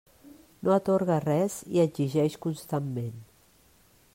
No atorga res i exigeix constantment.